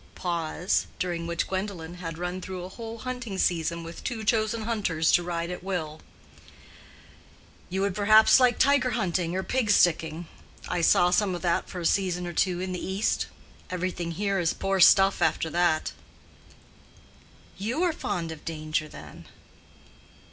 (Pause during which Gwendolen had run through a whole hunting season with two chosen hunters to ride at will.) "You would perhaps like tiger hunting or pig sticking. I saw some of that for a season or two in the East. Everything here is poor stuff after that." "You are fond of danger, then?"